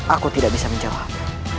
aku tidak bisa menjawab